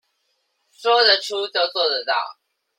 說得出就做得到